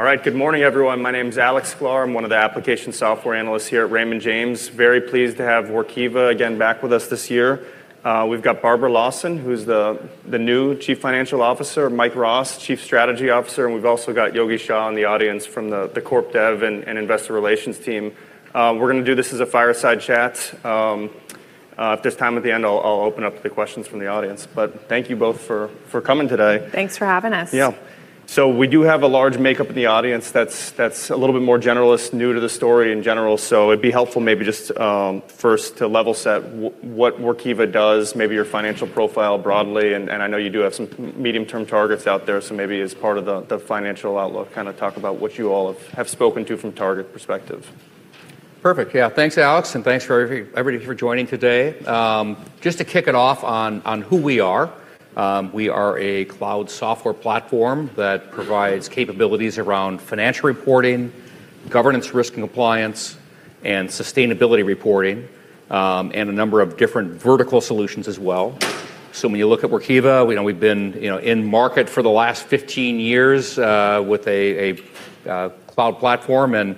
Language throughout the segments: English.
All right. Good morning, everyone. My name's Alexander Sklar. I'm one of the application software analysts here at Raymond James. Very pleased to have Workiva again back with us this year. We've got Barbara Larson, who's the new chief financial officer, Mike Rost, chief strategy officer, and we've also got Yogita Shah in the audience from the corp dev and investor relations team. We're gonna do this as a fireside chat. If there's time at the end, I'll open up to questions from the audience. Thank you both for coming today. Thanks for having us. We do have a large makeup in the audience that's a little bit more generalist, new to the story in general. It'd be helpful maybe just first to level set what Workiva does, maybe your financial profile broadly, and I know you do have some medium-term targets out there, so maybe as part of the financial outlook, kinda talk about what you all have spoken to from target perspective. Perfect. Yeah. Thanks, Alex. Thanks for everybody for joining today. Just to kick it off on who we are, we are a cloud software platform that provides capabilities around financial reporting, governance risk and compliance, and sustainability reporting, and a number of different vertical solutions as well. When you look at Workiva, you know, we've been, you know, in market for the last 15 years, with a cloud platform, and,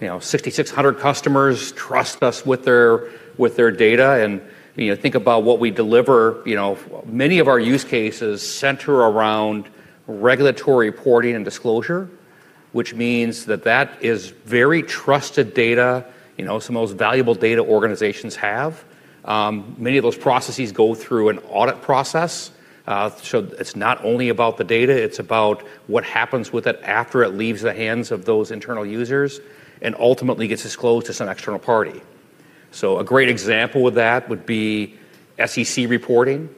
you know, 6,600 customers trust us with their data. You know, think about what we deliver. You know, many of our use cases center around regulatory reporting and disclosure, which means that is very trusted data. You know, some of the most valuable data organizations have. Many of those processes go through an audit process, so it's not only about the data, it's about what happens with it after it leaves the hands of those internal users and ultimately gets disclosed to some external party. A great example of that would be SEC Reporting.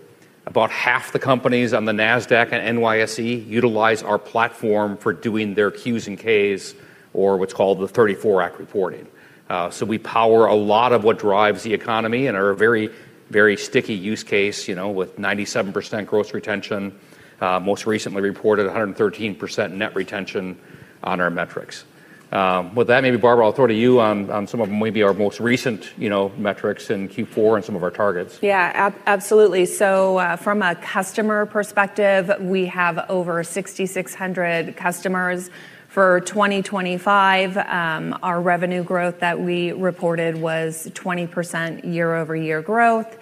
About half the companies on the Nasdaq and NYSE utilize our platform for doing their Qs and Ks, or what's called the 34 Act reporting. We power a lot of what drives the economy and are a very sticky use case, you know, with 97% gross retention, most recently reported 113% net retention on our metrics. With that, maybe Barbara, I'll throw to you on some of maybe our most recent, you know, metrics in Q4 and some of our targets. Absolutely. From a customer perspective, we have over 6,600 customers. For 2025, our revenue growth that we reported was 20% year-over-year growth,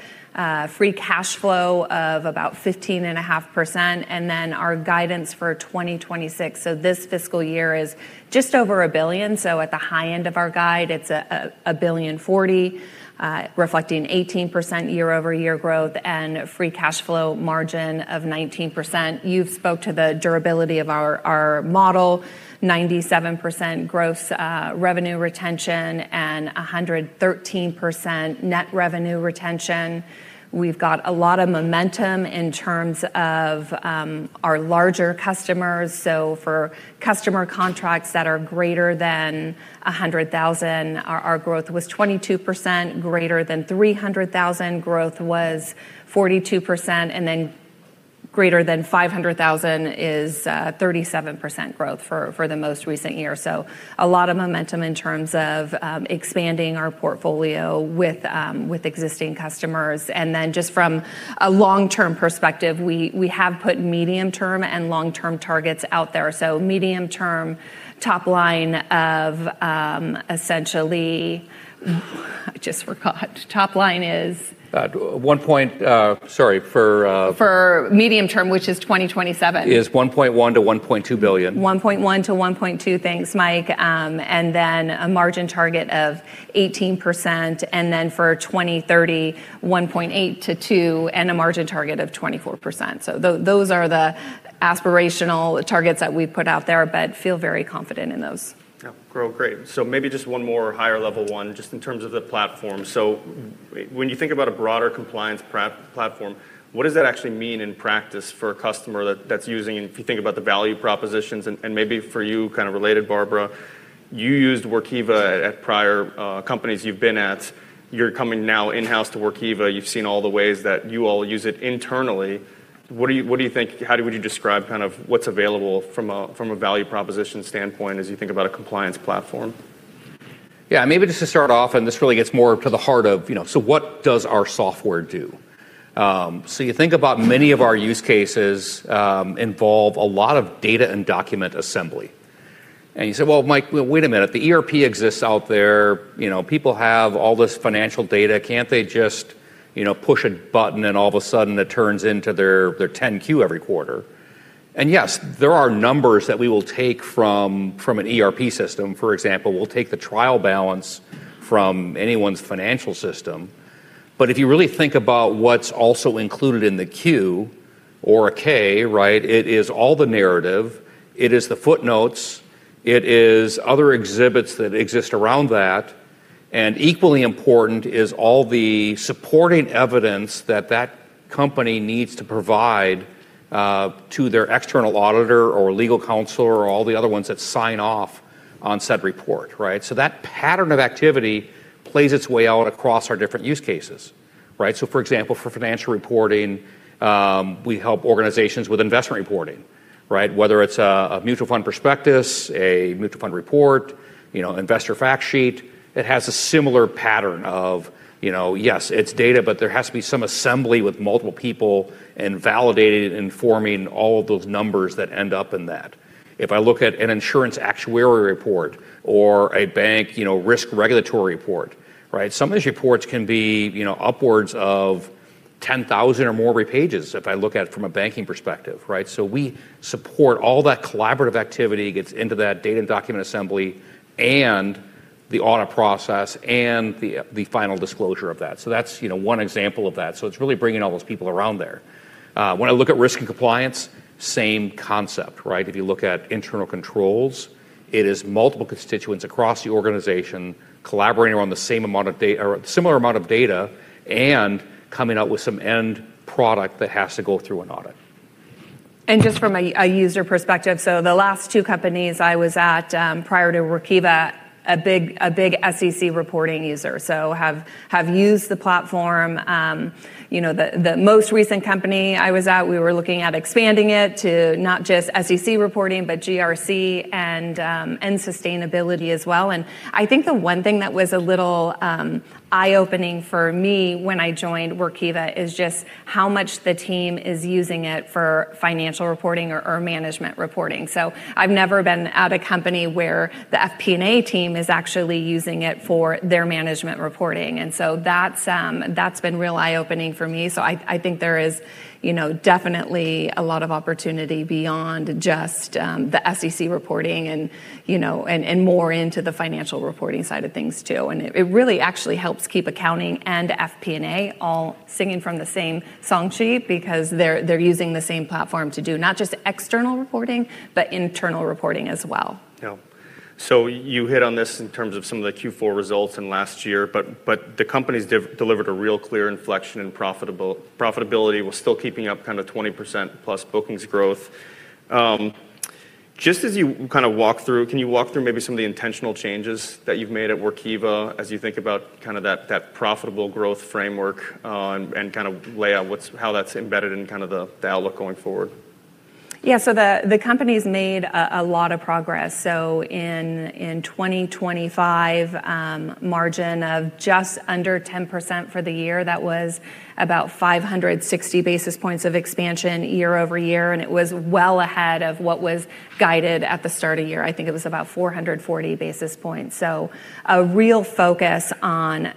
free cash flow of about 15.5%. Our guidance for 2026, this fiscal year, is just over $1 billion. At the high end of our guide, it's $1,040,000,000, reflecting 18% year-over-year growth and free cash flow margin of 19%. You've spoke to the durability of our model, 97% gross revenue retention and 113% net revenue retention. We've got a lot of momentum in terms of our larger customers. For customer contracts that are greater than $100,000, our growth was 22%. Greater than $300,000, growth was 42%. Greater than 500,000 is 37% growth for the most recent year. A lot of momentum in terms of expanding our portfolio with existing customers. Just from a long-term perspective, we have put medium-term and long-term targets out there. Medium term, top line of essentially... I just forgot. Top line is. one point. Sorry. For. For medium term, which is 2027. Is $1.1 billion-$1.2 billion. 1.1 to 1.2. Thanks, Mike. A margin target of 18%, for 2030, 1.8 to 2, a margin target of 24%. Those are the aspirational targets that we put out there, but feel very confident in those. Yeah. Grow great. Maybe just one more higher level one, just in terms of the platform. When you think about a broader compliance platform, what does that actually mean in practice for a customer that's using it? If you think about the value propositions, and maybe for you, kind of related, Barbara, you used Workiva at prior companies you've been at. You're coming now in-house to Workiva. You've seen all the ways that you all use it internally. How would you describe kind of what's available from a, from a value proposition standpoint as you think about a compliance platform? Yeah. Maybe just to start off, this really gets more to the heart of, you know, what does our software do? You think about many of our use cases involve a lot of data and document assembly. You say, "Well, Mike, wait a minute. The ERP exists out there. You know, people have all this financial data. Can't they just, you know, push a button and all of a sudden it turns into their Form 10-Q every quarter?" Yes, there are numbers that we will take from an ERP system. For example, we'll take the trial balance from anyone's financial system. If you really think about what's also included in the Q or a K, right, it is all the narrative, it is the footnotes, it is other exhibits that exist around that. Equally important is all the supporting evidence that that company needs to provide to their external auditor or legal counsel or all the other ones that sign off on said report, right? That pattern of activity plays its way out across our different use cases, right? For example, for financial reporting, we help organizations with investment reporting, right? Whether it's a mutual fund prospectus, a mutual fund report, you know, investor fact sheet, it has a similar pattern of, you know, yes, it's data, but there has to be some assembly with multiple people and validating it and forming all of those numbers that end up in that. If I look at an insurance actuary report or a bank, you know, risk regulatory report, right? Some of these reports can be, you know, upwards of 10,000 or more repages if I look at it from a banking perspective, right? We support all that collaborative activity, gets into that data and document assembly and the audit process and the final disclosure of that. That's, you know, one example of that. It's really bringing all those people around there. When I look at risk and compliance, same concept, right? If you look at internal controls, it is multiple constituents across the organization collaborating around the same amount of or similar amount of data and coming up with some end product that has to go through an audit. Just from a user perspective, the last two companies I was at, prior to Workiva, a big SEC reporting user. Have used the platform. You know, the most recent company I was at, we were looking at expanding it to not just SEC Reporting, but GRC and sustainability as well. I think the one thing that was a little eye-opening for me when I joined Workiva is just how much the team is using it for financial reporting or management reporting. I've never been at a company where the FP&A team is actually using it for their management reporting. That's been real eye-opening for me. I think there is, you know, definitely a lot of opportunity beyond just the SEC Reporting and, you know, and more into the financial reporting side of things too. It really actually helps keep accounting and FP&A all singing from the same song sheet because they're using the same platform to do not just external reporting, but internal reporting as well. You hit on this in terms of some of the Q4 results in last year, but the company's de-delivered a real clear inflection in profitability while still keeping up kind of 20% plus bookings growth. Just as you kinda walk through, can you walk through maybe some of the intentional changes that you've made at Workiva as you think about kinda that profitable growth framework, and kind of lay out how that's embedded in kind of the outlook going forward? The company's made a lot of progress. In 2025, margin of just under 10% for the year, that was about 560 basis points of expansion year-over-year, and it was well ahead of what was guided at the start of year. I think it was about 440 basis points. A real focus on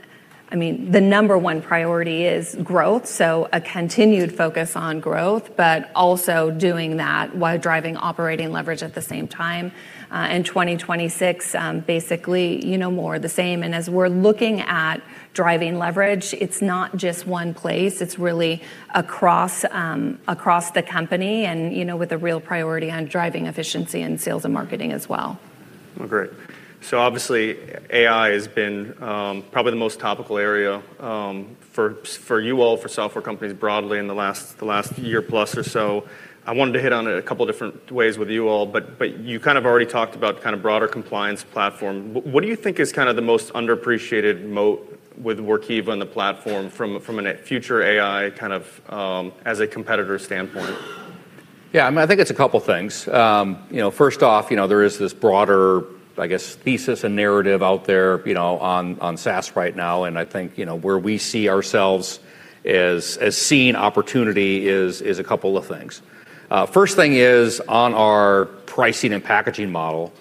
I mean, the number one priority is growth, a continued focus on growth, but also doing that while driving operating leverage at the same time. In 2026, basically, you know, more of the same. As we're looking at driving leverage, it's not just one place, it's really across the company and, you know, with a real priority on driving efficiency in sales and marketing as well. Great. Obviously, AI has been probably the most topical area for you all, for software companies broadly in the last year plus or so. I wanted to hit on it a couple different ways with you all, but you kind of already talked about kind of broader compliance platform. What do you think is kinda the most underappreciated moat with Workiva and the platform from a future AI kind of as a competitor standpoint? Yeah. I mean, I think it's a couple things. You know, first off, you know, there is this broader, I guess, thesis and narrative out there, you know, on SaaS right now. I think, you know, where we see ourselves as seeing opportunity is a couple of things. First thing is on our pricing and packaging model,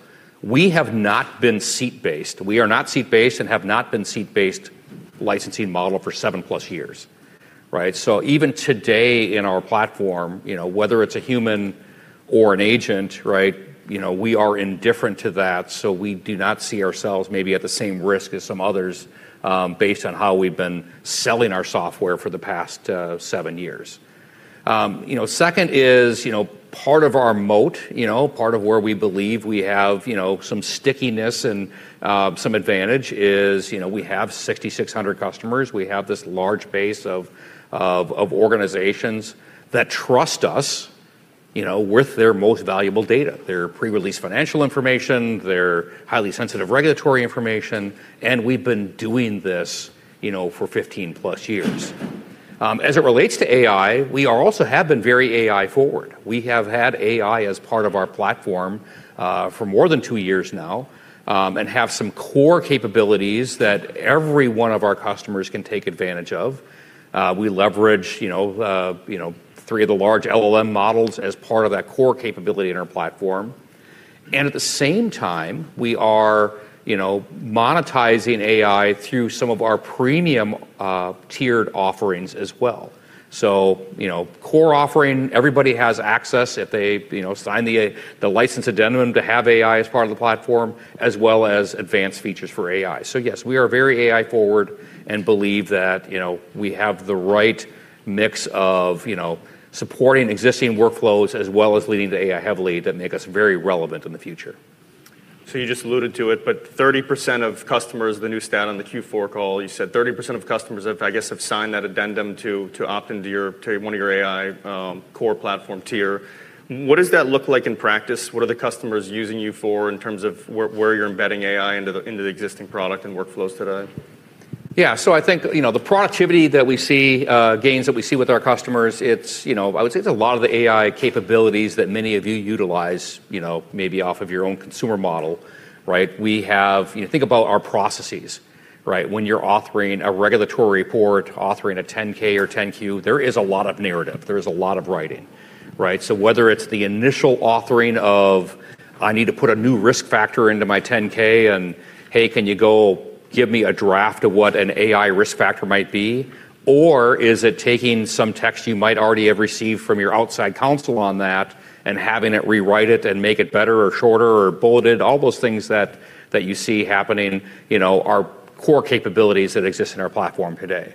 we have not been seat-based. We are not seat-based and have not been seat-based licensing model for 7-plus years, right? Even today in our platform, you know, whether it's a human or an agent, right, you know, we are indifferent to that. We do not see ourselves maybe at the same risk as some others, based on how we've been selling our software for the past 7 years. You know, second is, you know, part of our moat, you know, part of where we believe we have, you know, some stickiness and some advantage is, you know, we have 6,600 customers. We have this large base of organizations that trust us, you know, with their most valuable data, their pre-release financial information, their highly sensitive regulatory information, and we've been doing this, you know, for 15+ years. As it relates to AI, we are also have been very AI forward. We have had AI as part of our platform for more than 2 years now and have some core capabilities that every one of our customers can take advantage of. We leverage, you know, you know, three of the large LLM models as part of that core capability in our platform. At the same time, we are, you know, monetizing AI through some of our premium tiered offerings as well. Core offering, everybody has access if they, you know, sign the license addendum to have AI as part of the platform, as well as advanced features for AI. Yes, we are very AI forward and believe that, you know, we have the right mix of, you know, supporting existing workflows as well as leading to AI heavily that make us very relevant in the future. You just alluded to it, but 30% of customers, the new stat on the Q4 call, you said 30% of customers have, I guess, signed that addendum to opt into one of your AI core platform tier. What does that look like in practice? What are the customers using you for in terms of where you're embedding AI into the existing product and workflows today? Yeah. I think, you know, the productivity that we see, gains that we see with our customers, it's, you know, I would say it's a lot of the AI capabilities that many of you utilize, you know, maybe off of your own consumer model, right? You think about our processes, right? When you're authoring a regulatory report, authoring a Form 10-K or Form 10-Q, there is a lot of narrative. There is a lot of writing, right? Whether it's the initial authoring of, "I need to put a new risk factor into my Form 10-K," and, "Hey, can you go give me a draft of what an AI risk factor might be?" Or is it taking some text you might already have received from your outside counsel on that and having it rewrite it and make it better or shorter or bulleted? All those things that you see happening, you know, are core capabilities that exist in our platform today.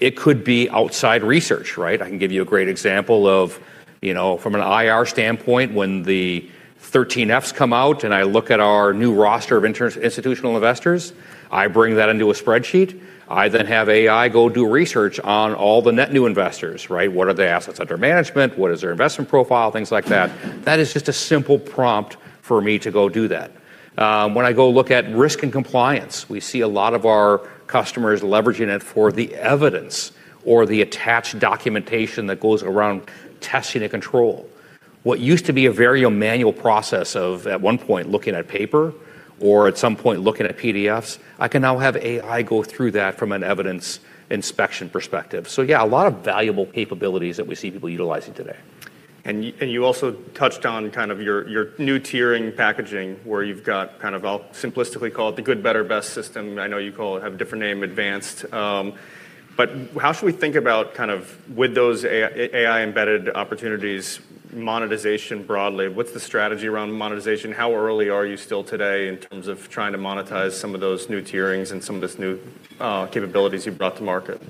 It could be outside research, right? I can give you a great example of, you know, from an IR standpoint, when the Form 13F come out and I look at our new roster of institutional investors, I bring that into a spreadsheet. I have AI go do research on all the net new investors, right? What are the assets under management? What is their investment profile? Things like that. That is just a simple prompt for me to go do that. When I go look at risk and compliance, we see a lot of our customers leveraging it for the evidence or the attached documentation that goes around testing and control. What used to be a very manual process of, at one point, looking at paper or at some point looking at PDFs, I can now have AI go through that from an evidence inspection perspective. Yeah, a lot of valuable capabilities that we see people utilizing today. You also touched on kind of your new tiering packaging where you've got simplistically called the good, better, best system. I know you have a different name, Advanced. How should we think about kind of with those AI-embedded opportunities, monetization broadly? What's the strategy around monetization? How early are you still today in terms of trying to monetize some of those new tierings and some of this new capabilities you've brought to market?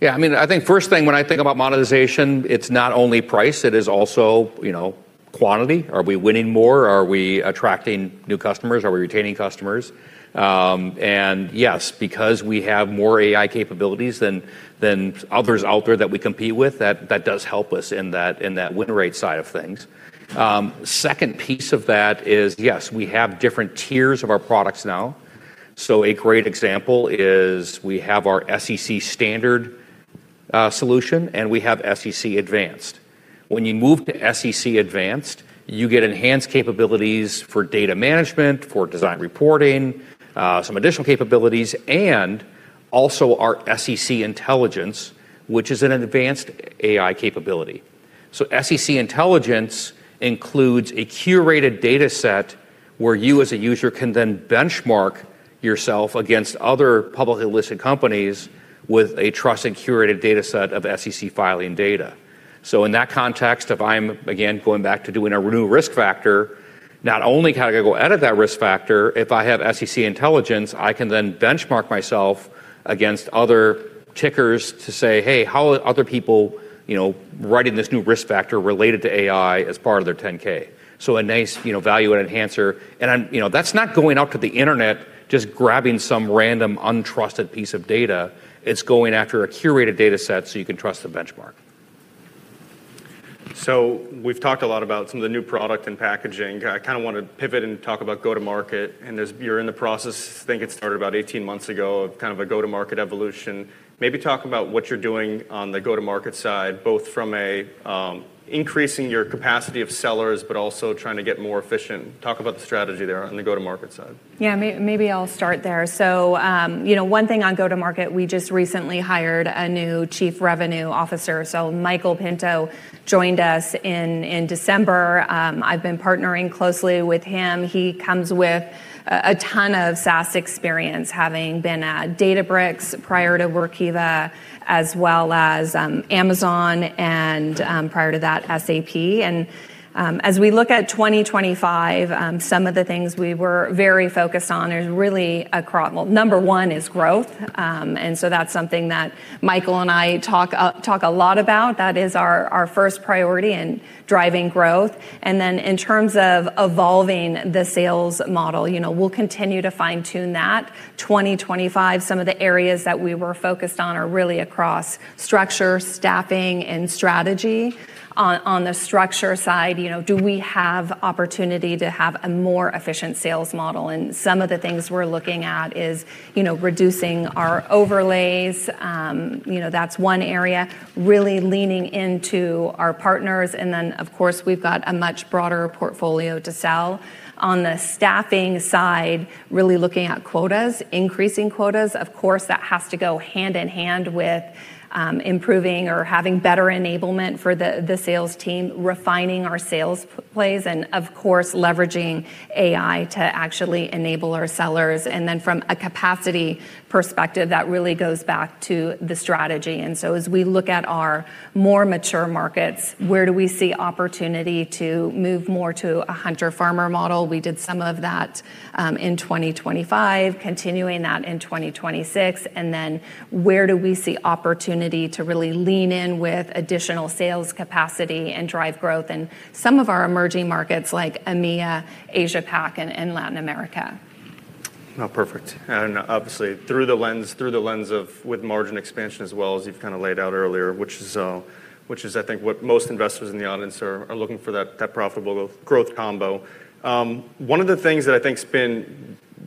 Yeah, I mean, I think first thing when I think about monetization, it's not only price, it is also, you know, quantity. Are we winning more? Are we attracting new customers? Are we retaining customers? Yes, because we have more AI capabilities than others out there that we compete with, that does help us in that win rate side of things. Second piece of that is, yes, we have different tiers of our products now. A great example is we have our SEC Standard solution, and we have SEC Advanced. When you move to SEC Advanced, you get enhanced capabilities for data management, for design reporting, some additional capabilities, and also our SEC Intelligence, which is an advanced AI capability. SEC Intelligence includes a curated data set where you as a user can then benchmark yourself against other publicly listed companies with a trusted curated data set of SEC filing data. In that context, if I'm again going back to doing a new risk factor, not only can I go edit that risk factor, if I have SEC Intelligence, I can then benchmark myself against other tickers to say, "Hey, how are other people, you know, writing this new risk factor related to AI as part of their 10-K?" A nice, you know, value and enhancer. You know, that's not going out to the internet, just grabbing some random untrusted piece of data. It's going after a curated data set so you can trust the benchmark. We've talked a lot about some of the new product and packaging. I kinda wanna pivot and talk about go-to-market. As you're in the process, I think it started about 18 months ago, of kind of a go-to-market evolution. Maybe talk about what you're doing on the go-to-market side, both from a increasing your capacity of sellers, but also trying to get more efficient. Talk about the strategy there on the go-to-market side. Yeah, maybe I'll start there. You know, one thing on go-to-market, we just recently hired a new Chief Revenue Officer. Michael Pinto joined us in December. I've been partnering closely with him. He comes with a ton of SaaS experience, having been at Databricks prior to Workiva, as well as Amazon and, prior to that, SAP. As we look at 2025, some of the things we were very focused on is really, well, number one is growth. That's something that Michael and I talk a lot about. That is our first priority in driving growth. In terms of evolving the sales model, you know, we'll continue to fine-tune that. 2025, some of the areas that we were focused on are really across structure, staffing, and strategy. On the structure side, you know, do we have opportunity to have a more efficient sales model? Some of the things we're looking at is, you know, reducing our overlays. You know, that's one area. Really leaning into our partners, and then, of course, we've got a much broader portfolio to sell. On the staffing side, really looking at quotas, increasing quotas. Of course, that has to go hand in hand with improving or having better enablement for the sales team, refining our sales plays, and of course, leveraging AI to actually enable our sellers. From a capacity perspective, that really goes back to the strategy. As we look at our more mature markets, where do we see opportunity to move more to a hunter-farmer model? We did some of that in 2025, continuing that in 2026. Where do we see opportunity to really lean in with additional sales capacity and drive growth in some of our emerging markets like EMEA, Asia Pac, and Latin America. Oh, perfect. Obviously through the lens of with margin expansion as well, as you've kinda laid out earlier, which is I think what most investors in the audience are looking for, that profitable growth combo. One of the things that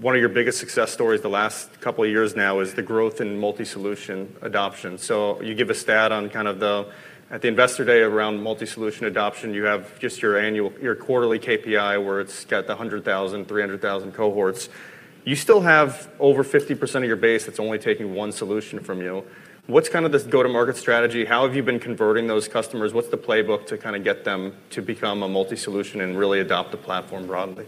One of your biggest success stories the last couple of years now is the growth in multi-solution adoption. You give a stat on kind of at the investor day around multi-solution adoption, you have just your quarterly KPI where it's got the 100,000, 300,000 cohorts. You still have over 50% of your base that's only taking one solution from you. What's kinda the go-to-market strategy? How have you been converting those customers? What's the playbook to kinda get them to become a multi-solution and really adopt the platform broadly?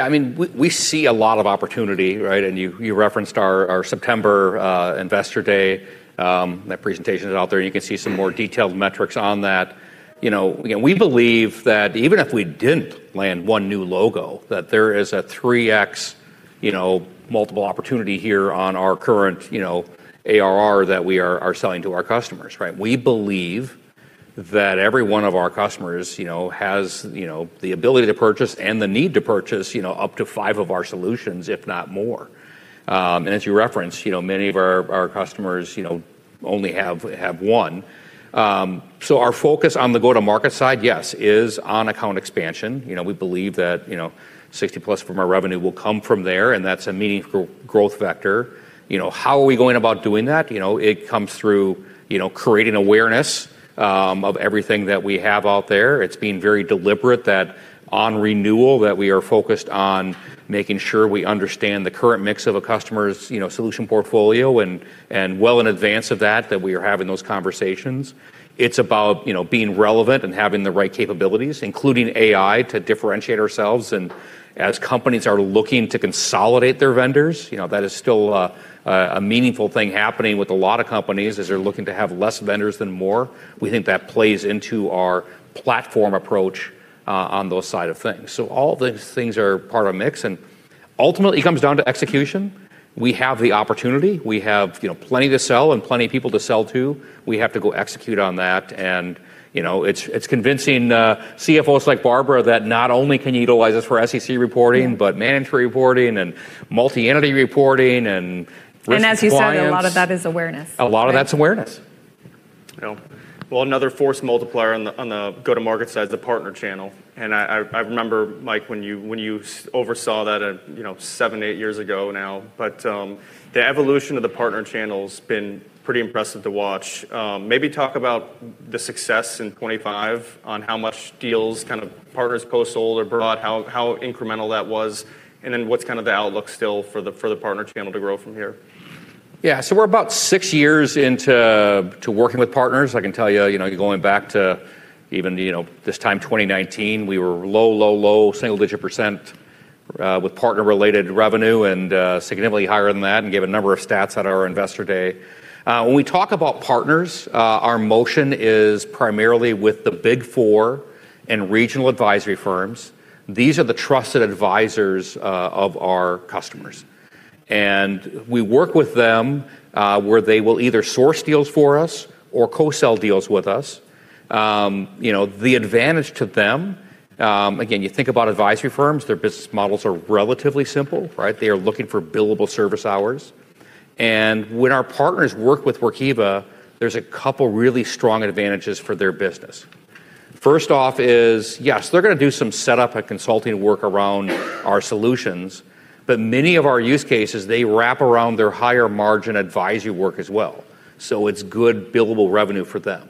I mean, we see a lot of opportunity, right? You referenced our September investor day, that presentation is out there. You can see some more detailed metrics on that. You know, again, we believe that even if we didn't land one new logo, that there is a 3x, you know, multiple opportunity here on our current, you know, ARR that we are selling to our customers, right? We believe that every one of our customers, you know, has, you know, the ability to purchase and the need to purchase, you know, up to five of our solutions, if not more. As you referenced, you know, many of our customers, you know, only have one. Our focus on the go-to-market side, yes, is on account expansion. You know, we believe that, you know, 60+ from our revenue will come from there, and that's a meaningful growth vector. You know, how are we going about doing that? You know, it comes through, you know, creating awareness of everything that we have out there. It's being very deliberate that on renewal, that we are focused on making sure we understand the current mix of a customer's, you know, solution portfolio and well in advance of that we are having those conversations. It's about, you know, being relevant and having the right capabilities, including AI, to differentiate ourselves. As companies are looking to consolidate their vendors, you know, that is still a meaningful thing happening with a lot of companies, is they're looking to have less vendors than more. We think that plays into our platform approach on those side of things. All these things are part of a mix, and ultimately it comes down to execution. We have the opportunity. We have, you know, plenty to sell and plenty of people to sell to. We have to go execute on that. You know, it's convincing CFOs like Barbara that not only can you utilize this for SEC Reporting... Yeah management reporting and multi-entity reporting and risk compliance. As you said, a lot of that is awareness, right? A lot of that's awareness. You know. Well, another force multiplier on the go-to-market side is the partner channel. I remember, Mike, when you oversaw that, you know, 7, 8 years ago now. The evolution of the partner channel's been pretty impressive to watch. Maybe talk about the success in 2025 on how much deals kind of partners co-sold or brought, how incremental that was, and then what's kind of the outlook still for the partner channel to grow from here. Yeah. We're about six years into working with partners. I can tell you know, going back to even, you know, this time, 2019, we were low single-digit %, with partner-related revenue and significantly higher than that and gave a number of stats at our investor day. When we talk about partners, our motion is primarily with the Big Four and regional advisory firms. These are the trusted advisors of our customers. We work with them where they will either source deals for us or co-sell deals with us. You know, the advantage to them, again, you think about advisory firms, their business models are relatively simple, right? They are looking for billable service hours. When our partners work with Workiva, there's a couple really strong advantages for their business. First off is, yes, they're gonna do some setup and consulting work around our solutions, but many of our use cases, they wrap around their higher margin advisory work as well. It's good billable revenue for them.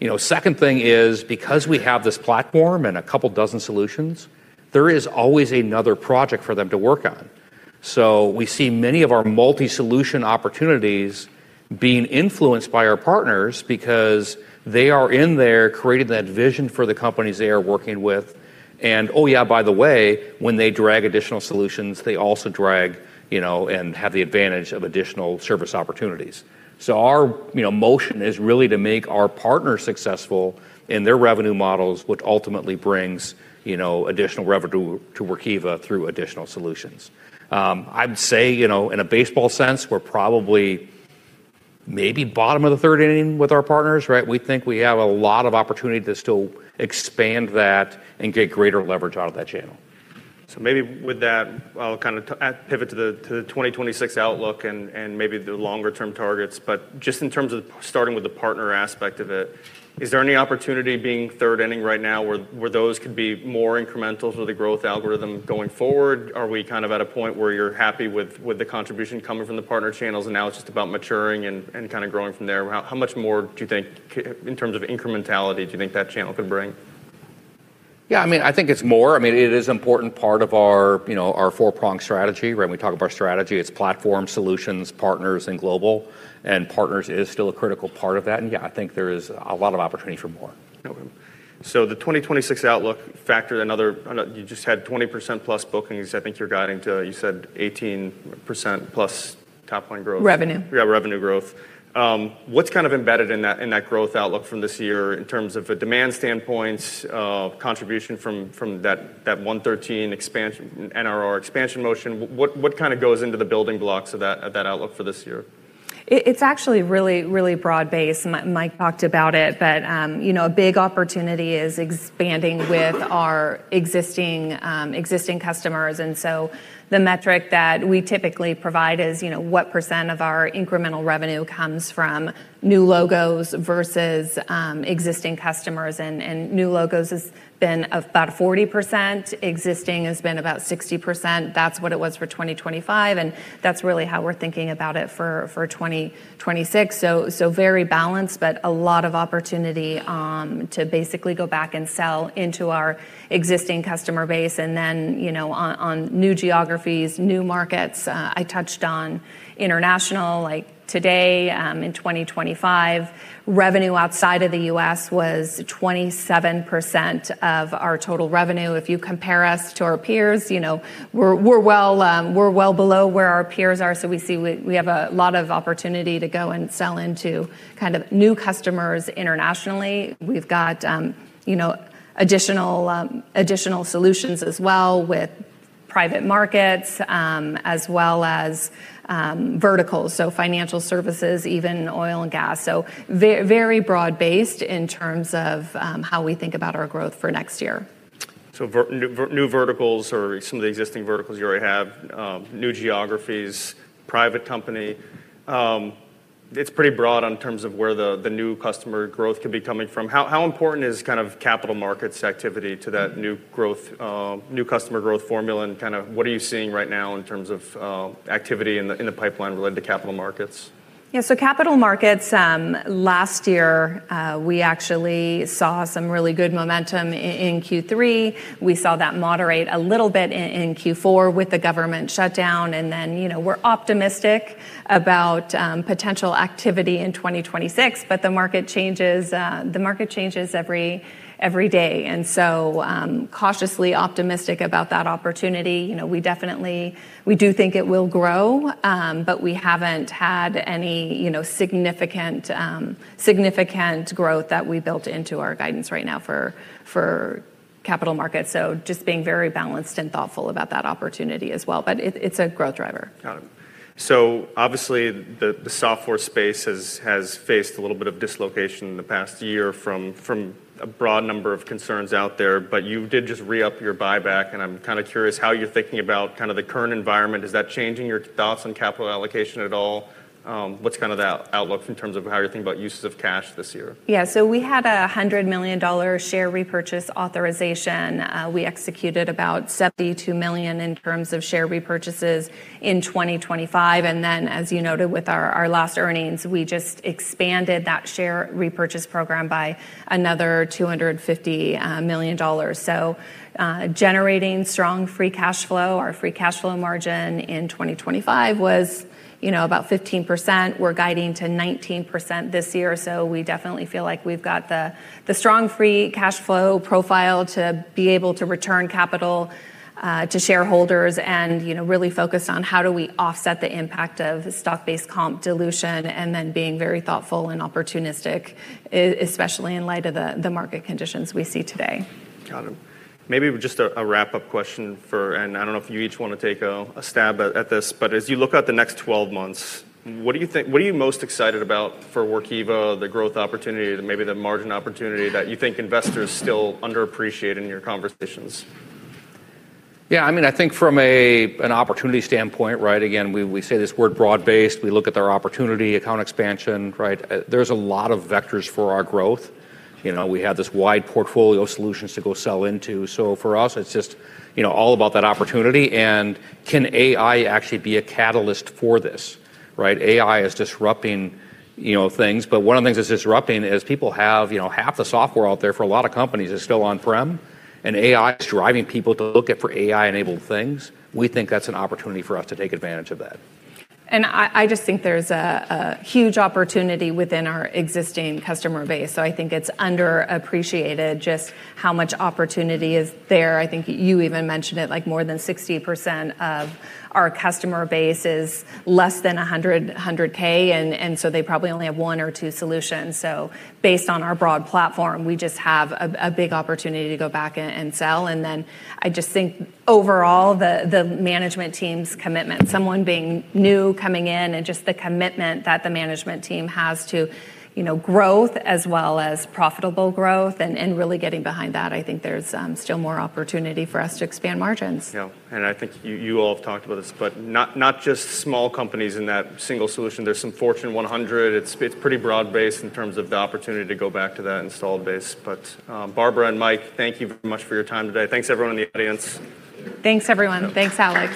You know, second thing is, because we have this platform and a couple dozen solutions, there is always another project for them to work on. We see many of our multi-solution opportunities being influenced by our partners because they are in there creating that vision for the companies they are working with. Oh yeah, by the way, when they drag additional solutions, they also drag, you know, and have the advantage of additional service opportunities. Our, you know, motion is really to make our partners successful in their revenue models, which ultimately brings, you know, additional revenue to Workiva through additional solutions. I'd say, you know, in a baseball sense, we're probably maybe bottom of the third inning with our partners, right? We think we have a lot of opportunity to still expand that and get greater leverage out of that channel. Maybe with that, I'll kinda pivot to the 2026 outlook and maybe the longer term targets. Just in terms of starting with the partner aspect of it, is there any opportunity being third inning right now where those could be more incremental to the growth algorithm going forward? Are we kind of at a point where you're happy with the contribution coming from the partner channels, and now it's just about maturing and kinda growing from there? How much more do you think in terms of incrementality, do you think that channel could bring? Yeah, I mean, I think it's more. I mean, it is important part of our, you know, our four-pronged strategy, right? When we talk about strategy, it's platform, solutions, partners, and global. Partners is still a critical part of that. Yeah, I think there is a lot of opportunity for more. Okay. The 2026 outlook factor, I know you just had 20%+ bookings. I think you're guiding to, you said 18%+ top line growth. Revenue. Revenue growth. What's kind of embedded in that growth outlook from this year in terms of a demand standpoint, contribution from that 113 expansion-- NRR expansion motion? What kinda goes into the building blocks of that outlook for this year? It's actually really, really broad-based. Mike talked about it, but, you know, a big opportunity is expanding with our existing customers. The metric that we typically provide is, you know, what % of our incremental revenue comes from new logos versus existing customers. New logos has been about 40%, existing has been about 60%. That's what it was for 2025, and that's really how we're thinking about it for 2026. Very balanced, but a lot of opportunity to basically go back and sell into our existing customer base. You know, on new geographies, new markets, I touched on international. Like today, in 2025, revenue outside of the U.S. was 27% of our total revenue. If you compare us to our peers, you know, we're well, we're well below where our peers are. We have a lot of opportunity to go and sell into kind of new customers internationally. We've got, you know, additional solutions as well with private markets, as well as verticals, so financial services, even oil and gas. Very broad-based in terms of how we think about our growth for next year. new verticals or some of the existing verticals you already have, new geographies, private company. It's pretty broad on terms of where the new customer growth could be coming from. How important is kind of capital markets activity to that new growth, new customer growth formula, and kinda what are you seeing right now in terms of activity in the pipeline related to capital markets? Yeah, capital markets, last year, we actually saw some really good momentum in Q3. We saw that moderate a little bit in Q4 with the government shutdown, then, you know, we're optimistic about potential activity in 2026, but the market changes, the market changes every day. Cautiously optimistic about that opportunity. You know, we definitely we do think it will grow, but we haven't had any, you know, significant growth that we built into our guidance right now for capital markets. Just being very balanced and thoughtful about that opportunity as well. It's a growth driver. Got it. Obviously the software space has faced a little bit of dislocation in the past year from a broad number of concerns out there, but you did just re-up your buyback, and I'm kinda curious how you're thinking about kinda the current environment. Is that changing your thoughts on capital allocation at all? What's kind of the outlook in terms of how you're thinking about uses of cash this year? Yeah. We had a $100 million share repurchase authorization. We executed about $72 million in terms of share repurchases in 2025. As you noted with our last earnings, we just expanded that share repurchase program by another $250 million. Generating strong free cash flow. Our free cash flow margin in 2025 was, you know, about 15%. We're guiding to 19% this year, so we definitely feel like we've got the strong free cash flow profile to be able to return capital to shareholders and, you know, really focus on how do we offset the impact of stock-based compensation dilution and then being very thoughtful and opportunistic especially in light of the market conditions we see today. Got it. Maybe just a wrap-up question. I don't know if you each wanna take a stab at this. As you look at the next 12 months, what are you most excited about for Workiva, the growth opportunity or maybe the margin opportunity that you think investors still underappreciate in your conversations? Yeah. I mean, I think from a, an opportunity standpoint, right, again, we say this word broad-based, we look at our opportunity, account expansion, right? There's a lot of vectors for our growth. You know, we have this wide portfolio of solutions to go sell into. For us, it's just, you know, all about that opportunity and can AI actually be a catalyst for this, right? AI is disrupting, you know, things, but one of the things it's disrupting is people have, you know, half the software out there for a lot of companies is still on-prem, and AI is driving people to look at for AI-enabled things. We think that's an opportunity for us to take advantage of that. I just think there's a huge opportunity within our existing customer base, so I think it's underappreciated just how much opportunity is there. I think you even mentioned it, like more than 60% of our customer base is less than 100K, and so they probably only have one or two solutions. Based on our broad platform, we just have a big opportunity to go back and sell. Then I just think overall the management team's commitment, someone being new coming in and just the commitment that the management team has to, you know, growth as well as profitable growth and really getting behind that. I think there's still more opportunity for us to expand margins. Yeah. I think you all have talked about this, but not just small companies in that single solution. There's some Fortune 100. It's pretty broad-based in terms of the opportunity to go back to that installed base. Barbara and Mike, thank you very much for your time today. Thanks everyone in the audience. Thanks, everyone. Thanks, Alex.